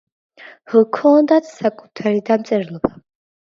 ჰქონდათ საკუთარი დამწერლობა.